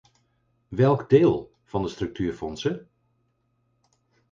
Welk deel van de structuurfondsen?